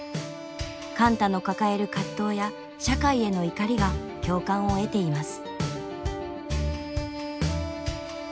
貫多の抱える葛藤や社会への怒りが共感を得ています。